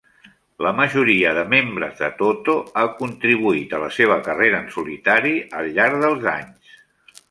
La majoria de membres de Toto ha contribuït a la seva carrera en solitari al llarg dels anys.